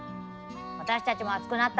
私たちも熱くなった。